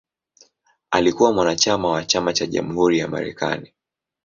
Alikuwa mwanachama wa Chama cha Jamhuri cha Marekani.